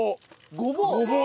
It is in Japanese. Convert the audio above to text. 「ごぼう」？